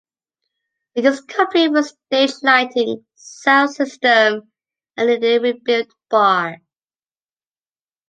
It is complete with stage, lighting, sound system and newly rebuilt bar.